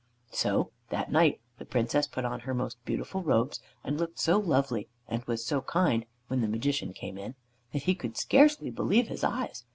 So that night the Princess put on her most beautiful robes, and looked so lovely and was so kind when the Magician came in, that he could scarcely believe his eyes.